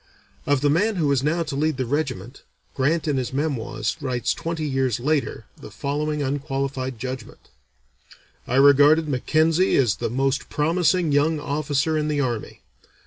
Of the man who was now to lead the regiment, Grant in his Memoirs writes twenty years later the following unqualified judgment: "I regarded Mackenzie as the most promising young officer in the army.